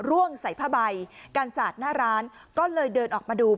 ร่วงใส่ผ้าใบกันสาดหน้าร้านก็เลยเดินออกมาดู